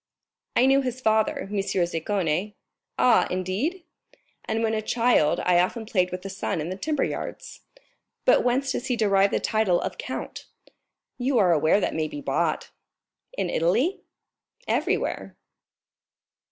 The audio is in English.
"I knew his father, M. Zaccone." "Ah, indeed?" "And when a child I often played with the son in the timber yards." "But whence does he derive the title of count?" "You are aware that may be bought." "In Italy?" "Everywhere."